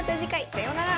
さようなら。